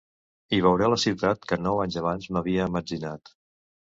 I veuré la ciutat que nou anys abans m'havia emmetzinat.